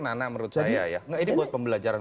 nana menurut saya ya ini buat pembelajaran